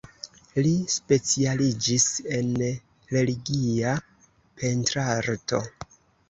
Li specialiĝis en religia pentrarto.